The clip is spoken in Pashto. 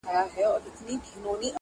سرونه رغړي ویني وبهیږي،